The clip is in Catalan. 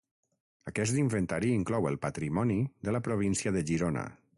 Aquest inventari inclou el patrimoni de la província de Girona.